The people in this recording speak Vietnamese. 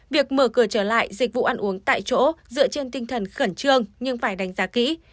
việc mở cửa trở lại dịch vụ ăn uống tại chỗ dựa trên tinh thần khẩn trương nhưng phải đánh giá kỹ